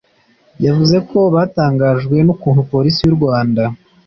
yavuze ko batangajwe n’ukuntu Polisi y’u Rwanda